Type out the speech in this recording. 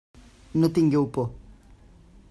No tingueu por.